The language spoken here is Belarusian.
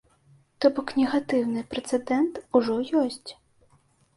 То бок, негатыўны прэцэдэнт ужо ёсць.